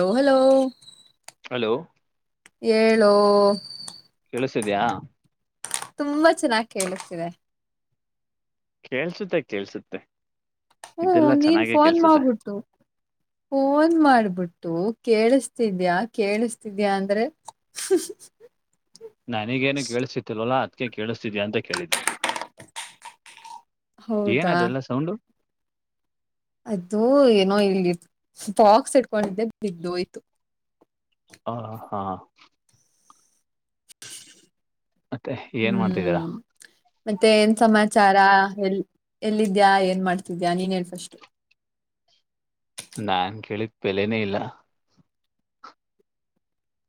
Hello hello hello ಹೇಳು ಕೇಳಿಸಿದ್ಯಾ ತುಂಬಾ ಚೆನ್ನಾಗಿ ಕೇಳಿಸ್ತಿದೆ ಕೇಳ್ಸುತ್ತೆ ಕೇಳ್ಸುತ್ತೆ ಹ್ಮ್ ಇದೆಲ್ಲಾ ನೀನ್ ಚೆನ್ನಾಗೆ ಫೋನ್ ಕೇಳ್ಸುತ್ತೆ ಮಾಡ್ಬಿಟ್ಟು ಫೋನ್ ಮಾಡ್ಬಿಟ್ಟು ಕೇಳಿಸತಿದ್ಯಾ ಕೇಳಿಸ್ತಿದ್ಯಾ ಅಂದ್ರೆ ನ್ನನಗೇನು ಕೇಳಿಸ್ತಿಲ್ವಲ್ಲ ಅದ್ಕೆ ಕೇಳಿಸ್ತಿದಯಾ ಅಂತ ಕೇಳಿದ್ದು ಏನ್ ಹೌದಾ ಅದೆಲ್ಲ ಸೌಂಡು ಅದು ಏನೋ ಇಲ್ಲಿ ಬಾಕ್ಸ್ ಇಟ್ಕೊಂಡಿದ್ದೆ ಬಿದಹೊಯಿತ್ತು ಹ ಹಾ ಮತ್ತೆ ಏನ್ ಮಾಡ್ತಿದ್ದೀರಾ ಹ್ಮ್ ಮತ್ತೆ ಏನ್ ಸಮಾಚಾರ ಎಲ್ ಎಲ್ಲಿದ್ಯಾ ಏನ್ ಮಾಡ್ತಿದ್ಯಾ ನೀನ್ ಹೇಳ್ ಫಸ್ಟ್, ನಾನ್ ಕೇಳಿದ ಬೆಲೆನೇ ಇಲ್ಲ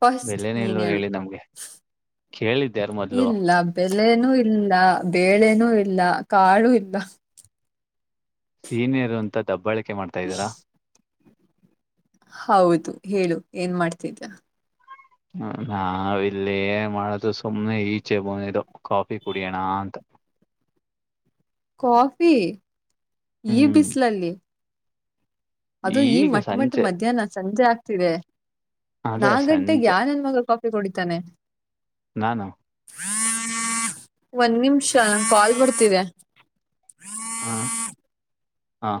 ಫಸ್ಟ್ ಬೆಲೆನೇ ನೀನ್ ಇಲ್ವಲ್ಲ ಹೇಳು ಹೇಳಿ ನಮ್ಗೆ ಕೇಳಿದ್ದ ಯಾರು ಮೊದ್ಲು ಇಲ್ಲಾ. ಬೆಲೆನೂ ಇಲ್ಲಾ ಬೇಳೆನೂ ಇಲ್ಲಾ ಕಾಳು ಇಲ್ಲಾ. ಸೀನಿಯರ್ ಅಂತ ದಬ್ಬಾಳಿಕೆ ಮಾಡ್ತಾ ಇದ್ದಿರಾ. ಹೌದು ಹೇಳು ಏನ್ ಮಾಡ್ತಿದ್ದಯಾ ನಾವ ಇಲ್ಲಿಎನ್ ಮಾಡದು ಸುಮ್ಮ್ನೆ ಈಚೆ ಬಂದಿದವು ಕಾಫಿ ಕುಡಿಯೋಣ ಅಂತ, ಕಾಫಿ ಈ ಹ್ಮ್ ಬಿಸಿಲಲ್ಲಿ ಅದು ಈ ಈಗ ಮಟ್ಟ ಮಟ್ಟ ಸಂಜೆ ಮಧ್ಯಾಹ್ನ ಸಂಜೆ ಆಗ್ತಿದೆ. ಅದೇ ನಾಲ್ಕ ಗಂಟೆಗೆ ಸಂಜೆ ಯಾವ ನನ್ನ್ ಮಗಾ ಕಾಪಿ ಕುಡಿತಾನೆ. ನಾ ನು ಒಂದ್ ನಿಮಿಷ ಕಾಲ್ ಬರ್ತಿದೆ. ಹಾಂ ಹಾಂ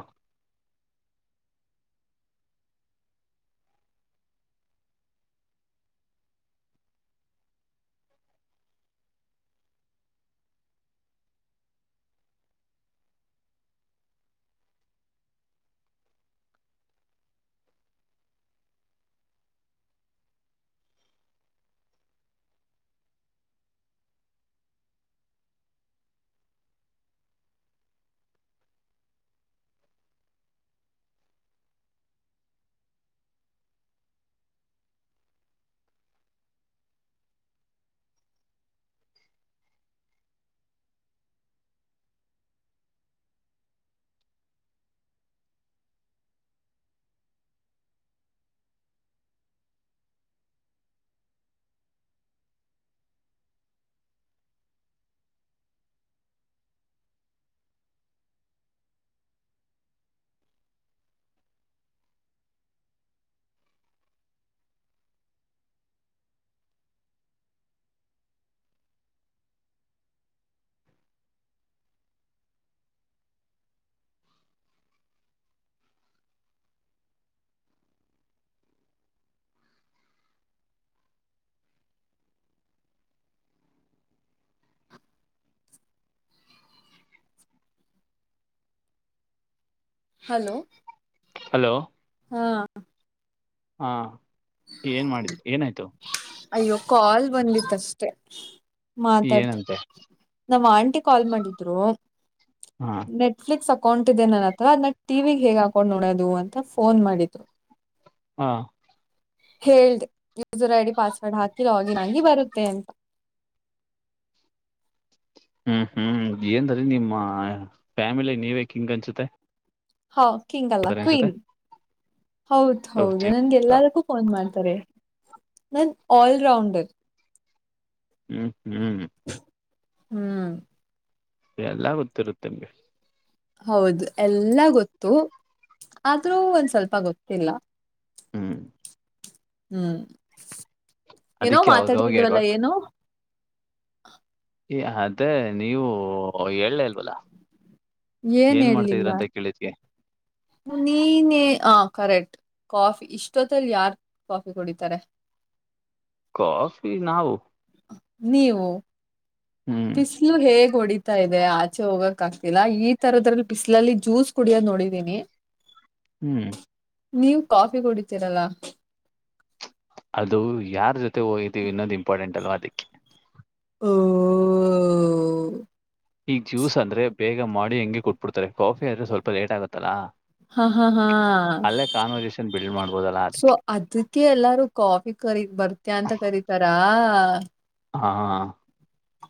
ಹಲೋ ಹಲೋ ಹಾ ಹಾ ಏನ್ ಮಾಡಿ ಏನಾಯ್ತು ಅಯ್ಯೋ ಕಾಲ್ ಬಂದಿತ್ತಷ್ಟೇ ಮಾತಾಡ್ತ ಏನಂತೆ ನಮ್ ಆಂಟಿ ಕಾಲ್ ಮಾಡಿದ್ರು ನ ಹಾ ನೆಟ್ ಫ್ಲಿಕ್ಸ್ ಅಕೌಂಟ್ ಇದೆ ನನ್ನ ಹತ್ರವಾದನ್ನ ಟಿವಿಗೆ ಹೇಗೆ ಹಾಕೊಂಡು ನೋಡೋದು ಅಂತ ಫೋನ್ ಮಾಡಿದು ಹಾ ಹೇಳ್ದೆ ಯೂಸರ್ ಐ ಡಿ ಪಾಸ್ವರ್ಡ್ ಹಾಕಿ ಲಾಗಿನ್ ಆಗಿ ಬರುತ್ತೆ ಅಂತ ಹ್ಮ್ ಹ್ಮ್ ಏನ್ ನಿಮ್ಮ ಫ್ಯಾಮಿಲಿ ನೀವೇ ಕಿಂಗ್ ಅನ್ಸುತ್ತೆ ಹಾ ಕಿಂಗ್ ಅಲ್ಲ ಆತರ ಅನ್ಸುತ್ತೆ ಕ್ವೀನ್ ಹೌದು ಹೌದು ನಂಗೆ ಎಲ್ಲಕ್ಕೂ ಫೋನ್ ಮಾಡ್ತಾರೆ ನನ್ ಆಲ್ರೌಂಡರ್. ಹ್ಮ್ ಹ್ಮ್ ಹ್ಮ್ ಎಲ್ಲ ಗೊತ್ತಿರುತ್ತೆ ನಿಮ್ಗೆ. ಹೌದು ಎಲ್ಲ ಗೊತ್ತು ಆದ್ರೂ ಒಂದ್ ಸ್ವಲ್ಪ ಗೊತ್ತಿಲ್ಲ. ಹ್ಮ್ ಹ್ಮ್ ಏನೋ ಅದಕ್ಕೆ ಅವಾಗ ಅವಾಗ ಮಾತಾಡ್ತಿದವಲ್ಲ ಎಡ್ವಟ್ ಏನೋ. ಈ ಅದೇ ನೀವು ಹೇಳ್ನೆ ಇಲ್ವಲ್ಲ. ಏನ್ ಮಾಡ್ತಾ ಇದೀರ ಅಂತ ಕೇಳಿದ್ಗೆ. ನೀನೇ ಆ ಕರೆಕ್ಟ್ ಕಾಫಿ ಇಷ್ಟೊತ್ತಲ್ಲಿ ಯಾರ್ ಕಾಫಿ ಕುಡಿತಾರೆ. ಕಾಫಿ ನಾವು. ನೀವು ಹ್ಮ್ ಬಿಸ್ ಪಿಸ್ಲು ಹೇಗ್ ಹೊಡಿತಾ ಇದೆ ಆಚೆ ಹೋಗಕ್ ಆಗ್ತಿಲ್ಲ ಈ ತರದ್ರಲ್ಲಿ ಬಿಸ್ಲಲ್ಲಿ ಜ್ಯೂಸ್ ಕುಡಿಯೋದ ನೋಡಿದೀನಿ. ಹ್ಮ್ ನೀವ್ ಕಾಫಿ ಕುಡಿತೀರಲ್ಲಾ. ಅದು ಯಾರ ಜೊತೆ ಹೋಗಿದ್ದೀವಿ ಅನ್ನೋದು ಇಂಪಾರ್ಟೆಂಟ್ ಅಲ್ವಾ ಅದಕ್ಕೆ. ಹೊ ಈಗ ಜ್ಯೂಸ್ ಅಂದ್ರೆ ಬೇಗ ಮಾಡಿ ಹೆಂಗೆ ಕೊಟ್ಬಿಡ್ತಾರೆ ಕಾಫಿ ಅಂದ್ರೆ ಸ್ವಲ್ಪ ಲೇಟ್ ಆಗುತ್ತಲ್ಲಾ. ಹಾ ಹಾ ಹಾ ಅಲ್ಲೇ ಕಾನ್ವರ್ಜಷನ್ ಬಿಲ್ಡ್ ಮಾಡ್ಬೋದಲ್ಲ ಸೊ ಅದಕ್ಕೆ. ಅದಕ್ಕೆ ಎಲ್ಲಾರು ಕಾಫಿ ಕರಿ ಬರ್ತೀಯ ಅಂತ ಕರಿತರ. ಹ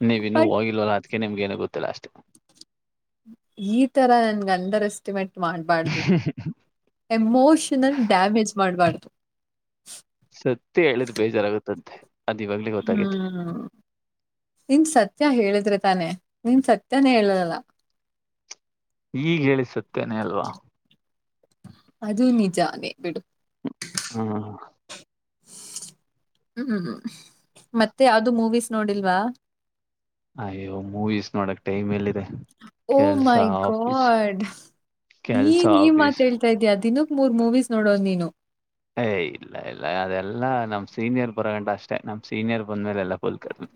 ನೀವು ಇನ್ನೂ ಬಟ್ ಹೋಗಿಲ್ವಲ್ಲ ಅದಕ್ಕೆ ನಿಮ್ಗೇನ ಗೊತ್ತಿಲ್ಲ ಅಷ್ಟು. ಈ ತರ ನನ್ಗೆ ಅಂಡರ್ ಎಸ್ಟಿಮೇಟ್ ಮಾಡ್ಬಾರ್ದು. ಎಮೋಷನಲ್ ಡ್ಯಾಮೇಜ್ ಮಾಡಬಾರ್ದು. ಸತ್ಯ ಹೇಳಿದ್ ಬೇಜಾರಾಗುತ್ತಂತೆ. ಅದಇವಾಗ್ಲೆ ಹ್ಮ್ ನಿನ್ ಸತ್ಯ ಹೇಳಿದ್ರೆ ತಾನೇ ನಿನ್ ಸತ್ಯಾನೇ ಹೇಳಲಲ. ಈಗ್ ಹೇಳಿದ್ ಸತ್ಯನೇ ಅಲ್ವಾ. ಅದು ನಿಜಾನೆ ಬಿಡು. ಹ ಹ್ಮ್ ಮತ್ತೆ ಯಾವ್ದು ಮೂವೀಸ್ ನೋಡಿಲ್ವಾ. ಅಯ್ಯೋ ಮೂವೀಸ್ ನೋಡಕ್ ಟೈಮ್ ಎಲ್ಲಿದೆ. ಓ ಕೆಲ್ಸ ಮೈ ಆಫೀಸ್ ಗಾಡ್. ನೀ ಕೆಲ್ಸ ಈ ಆಫೀಸ್ ಮಾತ್ ಹೇಳ್ತಾ ಇದೀಯ ದಿನಕ್ ಮೂರ್ ಮೂವೀಸ್ ನೋಡೋನ್ ನೀನು. ಏ ಇಲ್ಲ ಇಲ್ಲ ಅದೆಲ್ಲ ನಮ್ ಸೀನಿಯರ್ ಬರಗಂಟ ಅಷ್ಟೇ ನಮ್ ಸೀನಿಯರ್ ಬಂದ್ಮೇಲೆ ಎಲ್ಲ ಫುಲ್ ಕಡಿಮೆ.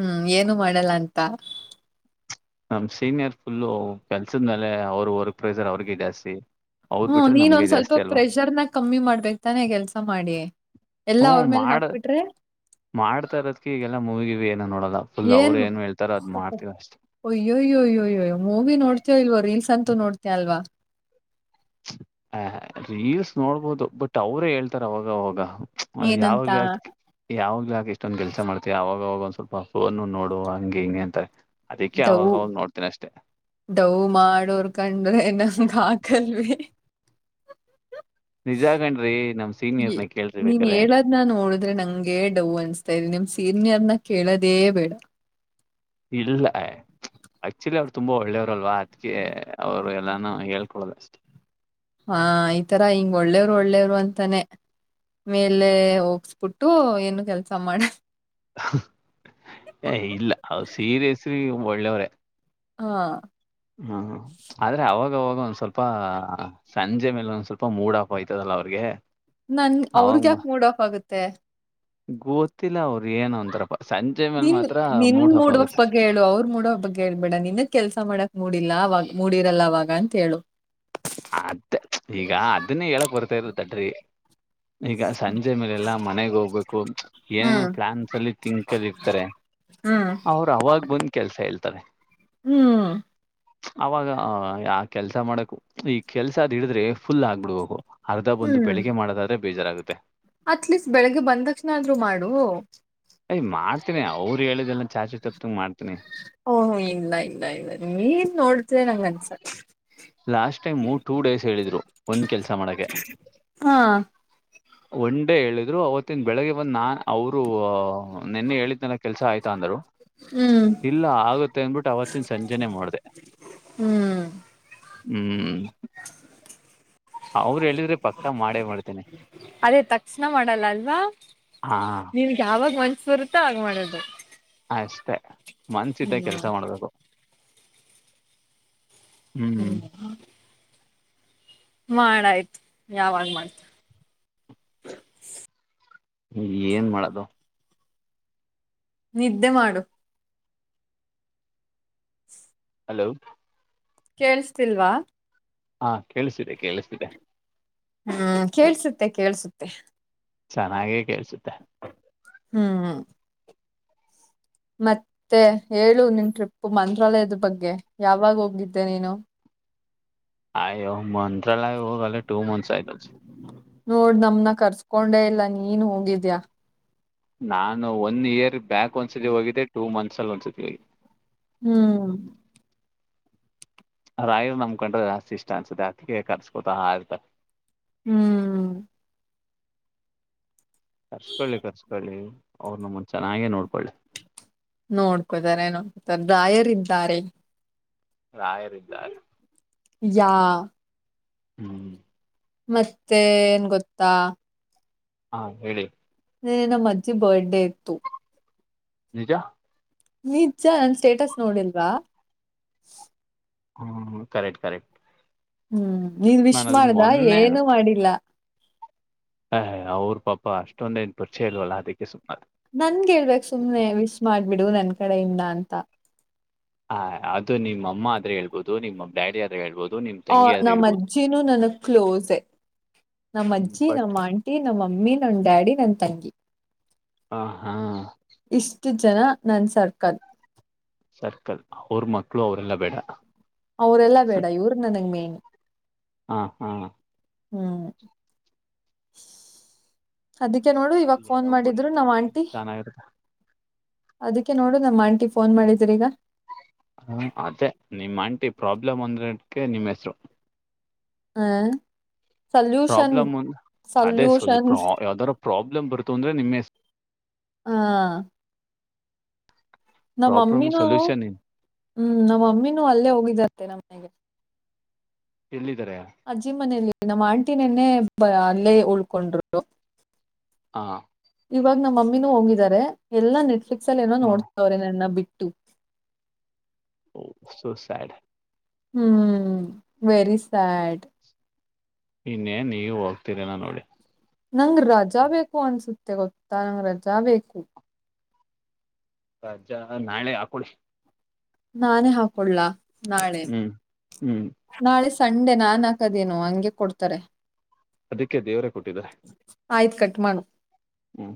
ಹ್ಮ್ ಏನು ಮಾಡಲ್ಲ ಅಂತ. ನಮ್ಮ ಸೀನಿಯರ್ ಫುಲ್ಲು ಕೆಲ್ಸದ ಮೇಲೆ ಅವರು ವರ್ಕ್ ಪ್ರೈಸರ್ ಅವ್ರಿಗೆ ಜಾಸ್ತಿ. ಅವ್ರ ಹ್ಮ್ ಬಿಟ್ರೆ ನಮ್ಗೆ ನೀನ್ನೊಂದ್ ಸ್ವಲ್ಪ ಜಾಸ್ತಿ ಅಲ್ವಾ ಪ್ರೆಷರ್ನ ಕಮ್ಮಿ ಮಾಡ್ಬೇಕೇಕ್ ತಾನೆ ಕೆಲ್ಸ ಮಾಡಿ. ಎಲ್ಲ ಹ್ಞೂ ಅವ್ರ ಮೇಲೆ ಮಾಡ ಹಾಕ್ಬಿಟ್ರೆ ಮಾಡ್ತಾ ಇರದಕ್ಕೆ ಈಗೆಲ್ಲ ಮೂವಿ ಗಿವಿ ಏನು ನೋಡಲ್ಲ. ಫುಲ್ ಅವ್ರು ಏನು ಹೇಳ್ತಾರ ಅದು ಮಾಡ್ತೀವಿ ಅಷ್ಟೆ. ಅಯ್ಯೋಯ್ಯೋಯ್ಯೋ ಮೂವಿ ನೋಡ್ತೇವ ಇಲ್ವ ರೀಲ್ಸ್ ಅಂತೂ ನೋಡ್ತ ಅಲ್ವಾ. ಹ ರೀಲ್ಸ್ ನೋಡ್ಬೋದು ಬಟ್ ಅವ್ರೇ ಹೇಳ್ತಾರ ಅವಾಗ ಅವಾಗ ಅ ಏನಂತ ಯಾವಾಗ್ಲೂ ಯಾಕೆ. ಯಾವಗ್ಲೆ ಯಾಕ ಇಷ್ಟೊಂದ್ ಕೆಲ್ಸ ಮಾಡ್ತತಿಯಾ ಅವವಾಗವಾಗ ಒಂದ್ ಸ್ವಲ್ಪ ಫೋನ್ ನೋಡು ಹಂಗೆ ಹಿಂಗೆ ಅಂತಾರೆ. ಅದಿಕ್ಕೆ ಡವ್ ಅವಾಗ್ ಅವಾಗ್ ನೋಡ್ತೇನ ಅಷ್ಟೇ. ಡವ್ ಮಾಡೋರ್ ಕಂಡ್ರೆ ನಂಗ್ ಹಾಗಲ್ವೆ. ನಿಜಾ ಕಣ್ರೀ ನಮ್ ಸೀನಿಯರ್ ನ ಕೇಳ ರೀ ಬೇಕಾರೆ. ನಾನ್ ನೋಡಿದ್ರೆ ನಂಗೆ ಡೌವ್ ಅನಸ್ತಾ ಇದೆ ನಿಮ್ ಸೀನಿಯರ್ನ ಕೇಳೋದೇ ಬೇಡ. ಇದೆಲ್ಲಾ ಹಾ ಆಕ್ಚುಲಿ ಅವ್ರು ತುಂಬಾ ಒಳ್ಳೆಯವರಲ್ವಾ ಅದಕ್ಕೆ ಅವ್ರು ಎಲ್ಲಾನು ಹೇಳ್ಕೊಳ್ಳೋದ್ ಅಷ್ಟೇ. ಹಾ ಈತರ ಹಿಂಗ್ ಒಳ್ಳೇವ್ರು ಒಳ್ಳೇವ್ರು ಅಂತಾನೆ ಮೇಲೆ ಹೋಗಸ್ಬಿಟ್ಟು ಏನು ಕೆಲ್ಸ ಮಾಡಲ್ಲ. ಹೆ ಇಲ್ಲ ಅವ್ರು ಸೀರೀಯಸ್ಲಿ ಒಳ್ಳೆಯವ್ರೇ. ಹಾ ಹಾ ಆದ್ರೆ ಅವಾಗವಾಗ ಒಂದ್ ಸ್ವಲ್ಪ ಸಂಜೆ ಮೇಲೆ ಒಂದ್ ಸ್ವಲ್ಪ ಮೂಡ್ ಆಫ್ ಆಯ್ತದಲ್ಲಾ ಅವ್ರಿಗೆ. ನನ್ ಅವ್ರಗ್ ಅವಾಗ ಯಾಕೆ ಮೂಡ್ ಆಫ್ ಆಗುತ್ತೆ. ಗೊತ್ತಿಲ್ಲ ಅವರು ಏನು ಅಂತಾರಪ್ಪ ಸಂಜೆ ಮೇಲ್ ನಿನ್ ಮಾತ್ರ ನಿನ್ ಮೂಡ್ ಆಫ್ ಆಗುತ್ತೆ. ಬಗ್ಗೆ ಹೇಳು ಅವ್ರ್ ಮೂಡಾಫ್ ಬಗ್ಗೆ ಹೇಳ್ಬೇಡ ನಿನ್ಗ ಕೆಲ್ಸ ಮಾಡಕ್ ಮೂಡಿಲ್ಲ ಅವಾಗ ಮೂಡಿರಲ್ಲ ಅವಾಗ ಅಂತ ಹೇಳು. ಅದ ಈಗ ಅದನ್ನೇ ಹೇಳಕ್ ಬರ್ತಾ ಇರೊದ್ ತಡ್ರಿ. ಈಗ ಸಂಜೆ ಮೇಲೆ ಎಲ್ಲಾ ಮನೆಗ್ ಹೋಗ್ಬೇಕು ಏನೇನೋ ಹ್ಮ್ ಪ್ಲಾನ್ಸಲ್ಲಿ. ತಿಂಕಲ್ ಇರ್ತಾರೆ ಹ್ಮ್ ಅವರು ಅವಾಗ ಬಂದ್ ಕೆಲ್ಸ ಹೇಳ್ತಾರೆ. ಹ್ಮ್ ಅವಾಗ ಆಯ ಕೆಲ್ಸ ಮಾಡಕು ಈ ಕೆಲ್ಸ ಅದ್ ಹಿಡಿದ್ರೆ ಫುಲ್ ಆಗ್ಬಿಡ್ಬೇಕು ಅರ್ಧ ಬಂದು ಬೆಳಗ್ಗೆ ಮಾಡೋದಾದ್ರೆ ಬೇಜಾರಾಗುತ್ತೆ. ಅಟ್ ಲೀಸ್ಟ್ ಬೆಳಿಗ್ಗೆ ಬಂದ್ ತಕ್ಷಣ ಆದ್ರು ಮಾಡು. ಅಯ್ ಮಾಡ್ತೀನಿ ಅವ್ರು ಹೇಳಿದೆಲ್ಲ ಚಾಚು ತಪ್ಪದಂಗ ಮಾಡ್ತೀನಿ. ಓಹ ಇಲ್ಲ ಇಲ್ಲ ಇಲ್ಲ ನೀನ್ ನೋಡ್ ಗೆ ನಂಗ ಅನ್ಸುತ್ತೆ. ಲಾಸ್ಟ್ ಟೈಮ್ ಟೂ ಡೇಸ್ ಹೇಳಿದ್ರು ಒಂದ್ ಕೆಲ್ಸ ಮಾಡಕ್ಕೆ ಹಾ ಒಂಡೇ ಹೇಳಿದ್ರು ಅವತ್ತಿನ್ ಬೆಳಿಗ್ಗೆ ಬಂದು ನಾನ್ ಅವರು ನಿನ್ನೆ ಹೇಳಿದ್ನಲ್ಲ ಕೆಲ್ಸ ಆಯ್ತಾ ಅಂದರು. ಹ್ಮ್ ಇಲ್ಲ ಆಗುತ್ತೆ ಅಂದ್ಬಿಟ್ಟು ಅವತ್ತಿನ್ ಸಂಜೆನೆ ಮಾಡ್ದೆ. ಹ್ಮ್ ಹ್ಮ್ ಅವರ್ ಹೇಳಿದ್ರೆ ಪಕ್ಕ ಮಾಡೇ ಮಾಡ್ತೇನೆ. ಅದೇ ತಕ್ಷಣ ಮಾಡಲ್ಲ ಅಲ್ವಾ. ಹಾ ಯಾವಾಗ್ ಮನ್ಸ್ ಬರುತ್ತೋ ಆಗ ಮಾಡೋದು. ಅಷ್ಟೆ ಮನ್ಸಿದ್ದಾಗ್ ಹ್ಮ್ ಕೆಲ್ಸ ಮಾಡ್ಬೇಕು. ಹ್ಮ್ ಮಾಡಾಯ್ತು ಯಾವಾಗ್ ಮಾಡ್ತ ಏನ್ ಮಾಡೋದು. ನಿದ್ದೆ ಮಾಡು. ಹಲೋ ಕೇಳಿಸ್ತಿಲ್ವಾ. ಹಾಂ ಕೇಳಿಸ್ತಿದೆ ಕೇಳಿಸ್ತಿದೆ. ಹ್ಮ್ ಕೇಳ್ಸುತ್ತೆ ಕೇಳ್ಸುತ್ತೆ. ಚೆನ್ನಾಗೆ ಕೇಳ್ಸುತ್ತೆ. ಹ್ಮ ಮತ್ತೆ ಹೇಳು ನಿನ್ ಟ್ರಿಪ್ಪು ಮಂತ್ರಾಲಯದ ಬಗ್ಗೆ, ಯಾವಾಗ ಹೋಗಿದ್ದೆ ನೀನು? ಆಯ್ಯೊ ಮಂತ್ರಾಲಯ ಹೋಗ್ ಆಗ್ಲೆ ಟು ಮಂತ್ಸ್ ಆಯ್ತಾತೆ. ನೋಡ್ ನಮ್ನ ಕರ್ಸ್ಕೊಂಡೆ ಇಲ್ಲ ನೀನ್ ಹೋಗಿದ್ಯಾ. ನಾನು ಒನ್ ಇಯರ್ಗ್ ಬ್ಯಾಕ್ ಒಂದ್ಸತಿ ಹೋಗಿದ್ದೆ ಟೂ ಮಂತ್ಸ್ ಅಲ್ಲಿ ಒಂದ್ಸತಿ ಹೋಗಿದ್ದೆ. ಹ್ಮ್, ರಾಯರು ನಮ್ಕೊಂಡ್ರೆ ಜಾಸ್ತಿ ಇಷ್ಟ ಅನ್ಸುತ್ತೆ ಅತ್ಗೆ ಕರ್ಸ್ಕೊತಾ ಇರ್ತಾನೆ. ಹ್ಮ್, ಕರ್ಸ್ಕೊಳ್ಳಿ, ಕರ್ಸ್ಕೊಳ್ಳಿ ಅವ್ರ ನಮ್ಮನ್ನ ಚೆನ್ನಾಗೆ ನೋಡ್ಕೊಳ್ಳಿ. ನೋಡ್ಕೋತಾರೆ- ನೋಡ್ಕೊತಾರ ರಾಯರಿದ್ದಾರೆ. ರಾಯರಿದ್ದಾರೆ ಯಾ [inaudible] ಹ್ಮ್ [unintelligible] ಮತ್ತೇನ್ ಗೊತ್ತಾ ಹಾ, ಹೇಳಿ- ನಿನ್ನೆನಮ್ಮ ಅಜ್ಜಿ ಬರ್ಡೇ ಇತ್ತು. ನಿಜಾ [inaudible] ನಿಜ್ಜಾ ನಿನ್ ಸ್ಟೇಟಸ್ ನೋಡಿಲ್ವಾ. ಹ್ಮ್, ಕರೆಕ್ಟ್ -ಕರೆಕ್ಟ್ ಹ್ಮ್, ನೀನ್ ವಿಶ್ ನಾನು ಅದನ್ನ ಮಾಡ್ದ ಮೊನ್ನೆ ಏನು ಮಾಡಿಲ್ಲ. ಹ ಅವ್ರ ಪಾಪ ಅಷ್ಟೊಂದ ಎನ್ ಪರಿಚಯ ಇಲ್ವಲ್ಲ ಅದಕ್ಕೆ ಸುಮ್ಮನಾದೆ. ನನ್ಗೆ ಹೇಳ್ಬೇಕ್ ಸುಮ್ನೆ ವಿಸ್ ಮಾಡ್ಬಿಡು ನನ್ ಕಡೆಯಿಂದ ಅಂತ. - ಹಾ, ಅದು ನಿಮ್ಮ ಅಮ್ಮ ಆದ್ರೆ ಹೇಳ್ಬೋದು. ನಿಮ್ಮ ಡ್ಯಾಡಿ ಆದ್ರೆ ಹೇಳ್ಬೋದು ನಿಮ್ಮ ಆ ನಮ್ಮ್ ಅಜ್ಜಿನೂ ನನಗ್ ಕ್ಲೋಸೆ, ನಮ್ಮ ಅಜ್ಜಿ ಬಟ್ ನಮ್ಮ ಆಂಟ ನಮ್ಮ ಮಮ್ಮಿ, ನನ್ ಡ್ಯಾಡಿ, ನನ್ ತಂಗಿ ಆ ಹಾ [unintelligible] ಇಷ್ಟು ಜನ ನನ್ ಸರ್ಕಲ್ ಸರ್ಕಲ್ ಅವ್ರ ಮಕ್ಳು ಅವರೆಲ್ಲ ಬೇಡ. ಅವರೆಲ್ಲ ಬೇಡ ಇವ್ರ ನನಗ್ ಮೇನ್ ಹಾ, ಹಾ ಹ್ಮ್, ಅದಕ್ಕೆ ನೋಡು ಇವಾಗ ಫೋನ್ ಏನೋ ಬಿಡಿ ಮಾಡಿದ್ರು ನಮ್ಮ ಆಂಟಿ. ಚೆನ್ನಾಗಿರುತ್ತೆ ಅದಕ್ಕೆ ನೋಡು ನಮ್ಮ ಆಂಟಿ ಫೋನ್ ಮಾಡಿದ್ರಿ ಈಗ. ಹ ಅದೇ ನಿಮ್ಮ್ ಆಂಟಿ ಪ್ರಾಬ್ಲಮ್ ಒಂದ್ರಕ್ಕೆ ನಿಮ್ಮ್ ಹೆಸರು ಹಾ, ಸಲ್ಯೂಷನ್, ಪ್ರಾಬ್ಲಮ್ ಅದೇ ಸ್ವಲ್ಪ ಸಲ್ಯೂಷನ್ ಯಾವ್ದಾರ ಪ್ರಾಬ್ಲಮ್ ಬರುತ ಅಂದ್ರೆ ನಿಮ್ಮ ಹಾ,, ಪ್ರಾಬ್ಲಮ್ ನಮ್ಮಮ್ಮಿನೂ ಸೊಲ್ಯೂಷನ್ ಹ್ಮ್, ನಮ್ಮಮ್ಮಿನೂ ಅಲ್ಲೇ ಹೋಗಿದ್ದರಂತೆ ನಮ್ಮನೆಗೆ. ಎಲ್ಲಿದಿದ್ದಾರೆ? ಅಜ್ಜಿ ಮನೇಲಿ. ನಮ್ಮ ಆಂಟ ನೆನ್ನೆ ಬ ಅಲ್ಲೇ ಉಳ್ಕೊಂಡ್ರು. ಹಾ, ಇವಾಗ ನಮ್ಮ ಮಮ್ಮಿನೂ ಹೋಗಿದ್ದಾರೆ. ಎಲ್ಲಾ ನೆಟ್ಫ್ಲಿಕ್ಸ್ ಅಲ್ಲಿ ಏನೋ ಹ ನೋಡ್ತವ್ರೆ ನನ್ನ ಬಿಟ್ಟು. Oh, so sad hmm, very sad- ನಿನ್ನೇ ನೀವು ಹೋಗ್ತೀರೇನ ನೋಡಿ ನಂಗ ರಜಾ ಬೇಕು ಅನ್ಸುತ್ತೆ ಗೊತ್ತಾ, ನಂಗ ರಜಾ ಬೇಕು. ಅಜ್ಜಾ ನಾಳೆ ಹಾಕೊಳ್ಳಿ [unintelligible] ನಾನೇ ಹಾಕೋಡ್ಲ ನಾಳೆ ಹ್ಮ್ ಹ್ಮ್ ನಾಳೆ ಸಂಡೆ ನಾನ್ ಹಾಕದೇನು ಹಂಗೆ ಕೊಡ್ತಾರೆ. ಅದಕ್ಕೆ ದೇವರೇ ಕೊಟ್ಟಿದ್ದಾರೆ. ಆಯ್ತ್ ಕಟ್ ಮಾಡು ಹ್ಮ್